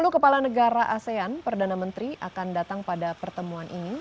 sepuluh kepala negara asean perdana menteri akan datang pada pertemuan ini